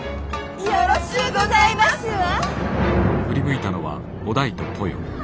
よろしゅうございますわ。